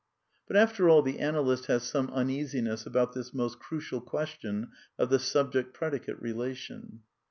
But, after all, the analyst has some uneasiness about this most crucial question of the subject predicate relation.